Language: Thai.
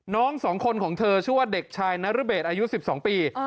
น้องสองคนของเธอชื่อว่าเด็กชายนรเบศอายุ๑๒ปี